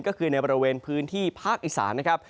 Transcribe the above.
ก็คือในบริเวณพื้นที่ภาคอีสานนะครับ